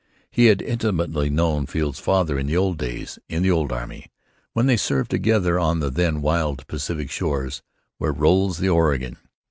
He had intimately known Field's father in the old days, in the old army, when they served together on the then wild Pacific shores "where rolls the Oregon."